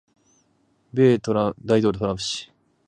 米大統領トランプ氏